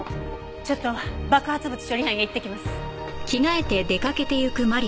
ちょっと爆発物処理班へ行ってきます。